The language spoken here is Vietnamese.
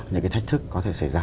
những cái thách thức có thể xảy ra